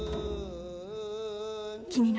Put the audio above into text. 気になる。